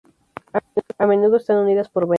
A menudo están unidas por venas.